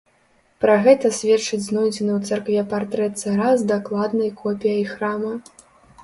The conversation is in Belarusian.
Пра гэта сведчыць знойдзены ў царкве партрэт цара з дакладнай копіяй храма.